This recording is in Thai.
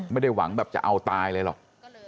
ไม่ได้หวังแบบจะเอาตายเลยหรอก